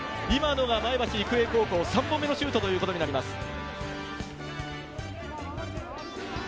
今のが前橋育英高校３本目のシュートということになります。